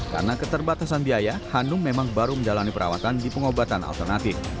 karena keterbatasan biaya hanum memang baru menjalani perawatan di pengobatan alternatif